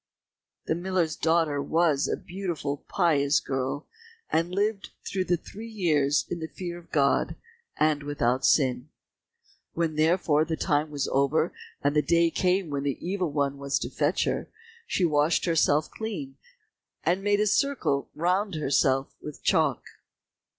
The miller's daughter was a beautiful, pious girl, and lived through the three years in the fear of God and without sin. When therefore the time was over, and the day came when the Evil one was to fetch her, she washed herself clean, and made a circle round herself with chalk.